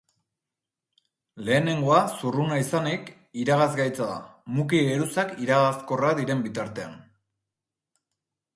Lehenengoa zurruna izanik, iragazgaitza da, muki-geruzak iragazkorrak diren bitartean.